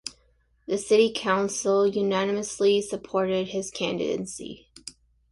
The City Council unanimously supported his candidacy.